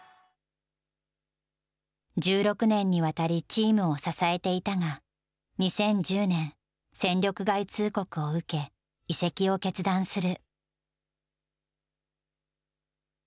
１６年に渡りチームを支えていたが、２０１０年、戦力外通告を受け、移籍を決断する。